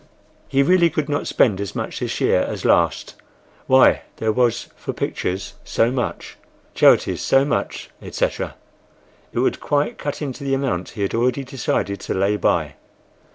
He really could not spend as much this year as last—why, there was—for pictures, so much; charities, so much, etc. It would quite cut into the amount he had already decided to lay by.